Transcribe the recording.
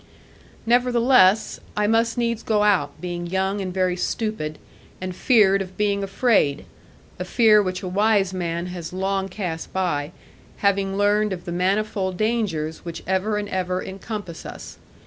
Nevertheless, I must needs go out, being young and very stupid, and feared of being afraid; a fear which a wise man has long cast by, having learned of the manifold dangers which ever and ever encompass us.